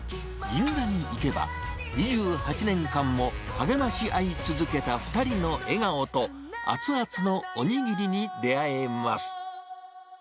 銀座に行けば、２８年間も励まし合い続けた２人の笑顔と、熱々のおにぎりに出会えます。